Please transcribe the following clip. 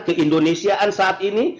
di indonesia saat ini